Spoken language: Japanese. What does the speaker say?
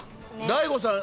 大悟さん